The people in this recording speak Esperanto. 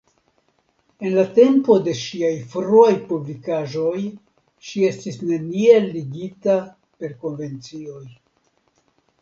En la tempo de ŝiaj fruaj publikaĵoj ŝi estis neniel ligita per konvencioj.